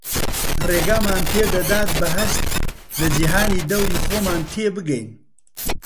ڕێگامان پێدەدات بە هەست لە جیهانی دەوری خۆمان تێبگەین